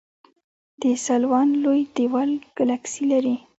د سلوان لوی دیوال ګلکسي لري.